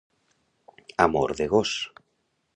Amor de gos.